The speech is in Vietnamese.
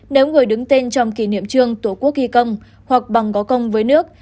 nếu người đứng tên trong kỷ niệm trương tổ quốc ghi công hoặc bằng có công với nước